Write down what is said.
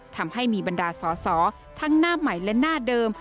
ทำให้มีบรรดาสอสอทั้งหน้าใหม่และหน้าเดิม